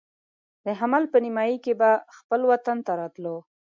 د حمل په نیمایي کې به خپل وطن ته راتلو.